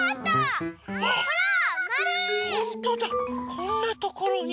こんなところに。